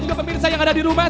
ke pemirsa yang ada di rumah